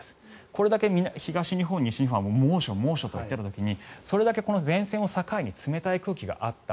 これだけ東日本、西日本は猛暑となっている時にそれだけ前線を境に冷たい空気があった。